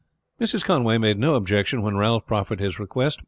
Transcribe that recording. Mrs. Conway made no objection when Ralph proffered his request.